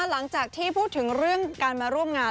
หลังจากที่พูดถึงเรื่องการมาร่วมงาน